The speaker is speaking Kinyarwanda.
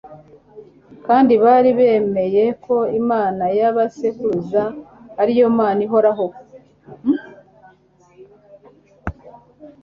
kandi bari bemey ko Imana ya ba sekuruza ari yo Mana ihoraho